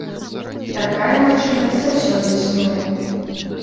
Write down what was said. Такая магчымасць заўсёды існуе.